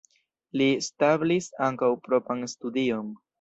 Li establis ankaŭ propran studion.